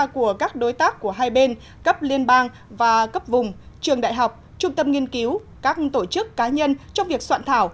của các đối tác của hai bên cấp liên bang và cấp vùng trường đại học trung tâm nghiên cứu các tổ chức cá nhân trong việc soạn thảo